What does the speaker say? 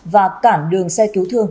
và cản đường xe cứu thương